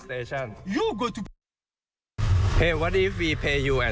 เบาเงิน๒๐๐ยูโร